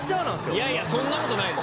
いやいやそんなことないです。